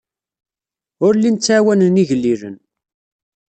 Ur llin ttɛawanen igellilen.